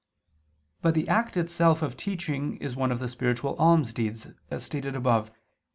But the act itself of teaching is one of the spiritual almsdeeds, as stated above (Q.